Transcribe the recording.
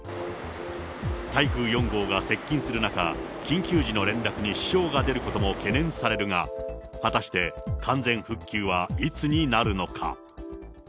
台風４号が接近する中、緊急時の連絡に支障が出ることも懸念されるが、果たして完全復旧はいつになるのか。